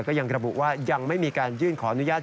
ก็ยังระบุว่ายังไม่มีการยื่นขออนุญาต